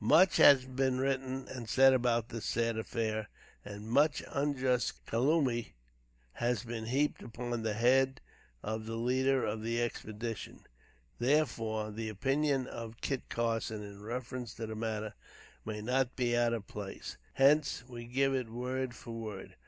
Much has been written and said about this sad affair, and much unjust calumny has been heaped upon the head of the leader of the expedition; therefore, the opinion of Kit Carson in reference to the matter may not be out of place; hence, we give it word for word.